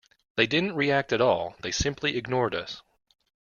They didn't react at all; they simply ignored us.